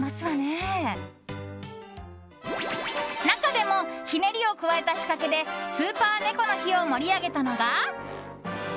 中でもひねりを加えた仕掛けでスーパー猫の日を盛り上げたのが。